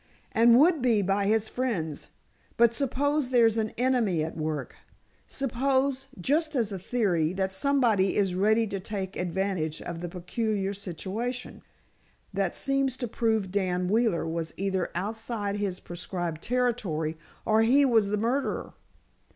"And would be by his friends—but suppose there's an enemy at work. Suppose, just as a theory, that somebody is ready to take advantage of the peculiar situation, that seems to prove Dan Wheeler was either outside his prescribed territory—or he was the murderer.